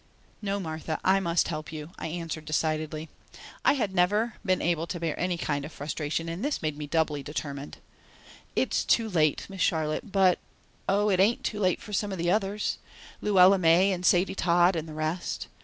"No, Martha, I must help you," I answered, decidedly. I had never been able to bear any kind of frustration and this made me doubly determined. "It's too late, Miss Charlotte, but, Oh, it ain't too late for some of the others. Luella May and Sadie Todd and the rest.